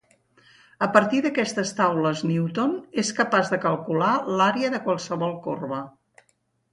A partir d’aquestes taules newton és capaç de calcular l’àrea de qualsevol corba.